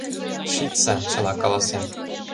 Шичса, чыла каласем.